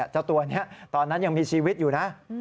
เจ้าตัวนี้ตอนนั้นยังมีชีวิตอยู่นะ